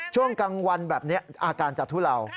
ช่วงกลางวันแบบนี้อาการจะทุเลา